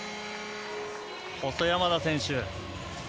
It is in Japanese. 細山田選手。